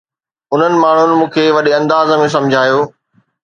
انهن ماڻهن مون کي وڏي انداز ۾ سمجهايو